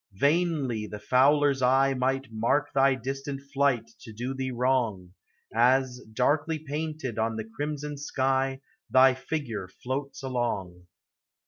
Vainly the fowler's eye Might mark thy distant flight to do thee wrong, As, darkly painted on the crimson sky, Thy figure floats along.